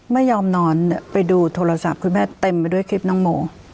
ไม่ยอมนอนไปดูโทรศัพท์คุณแม่เต็มไปด้วยคลิปน้องโม